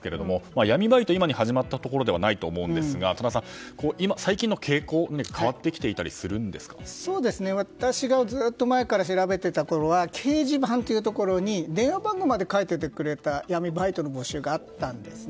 闇バイトは今に始まったことではないと思いますが多田さん、最近の傾向は私がずっと前から調べていたところは掲示板というところに電話番号まで書いていた闇バイトの募集があったんですね。